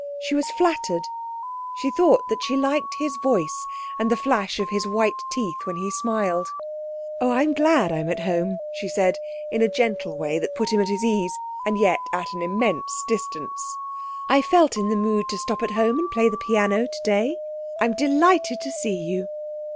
She was flattered. She thought that she liked his voice and the flash of his white teeth when he smiled. 'Oh, I'm glad I'm at home,' she said, in a gentle way that put him at his ease, and yet at an immense distance. 'I felt in the mood to stop at home and play the piano today. I'm delighted to see you.'